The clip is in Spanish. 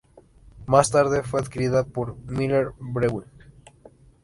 Más tarde fue adquirida por Miller Brewing.